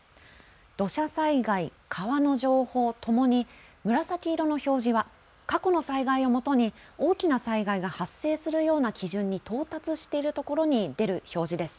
土砂災害、川の情報ともに紫色の表示は過去の災害をもとに大きな災害が発生するような基準に到達しているところに出る表示です。